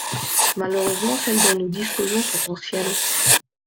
Malheureusement celles dont nous disposons sont anciennes.